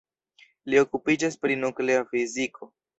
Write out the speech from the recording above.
Li okupiĝas pri nuklea fiziko.